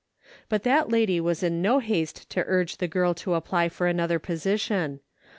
But that lady was in no haste to urge the girl to apply for another position.